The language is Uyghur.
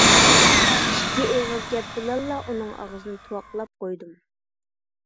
ئىككى ئېغىز گەپ بىلەنلا ئۇنىڭ ئاغزىنى تۇۋاقلاپ قويدۇم.